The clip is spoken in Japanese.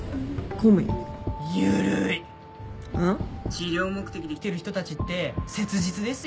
治療目的で来てる人たちって切実ですよ。